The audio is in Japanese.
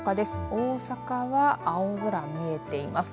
大阪は青空が見えています。